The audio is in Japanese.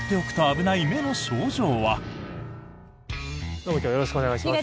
どうも今日はよろしくお願いします。